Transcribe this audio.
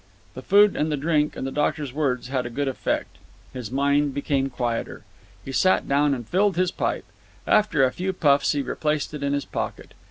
The food and the drink and the doctor's words had a good effect. His mind became quieter. He sat down and filled his pipe. After a few puffs he replaced it in his pocket.